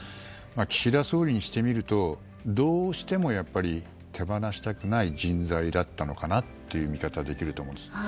岸田総理にしてみるとどうしても手放したくない人材だったのかなという見方はできると思うんです。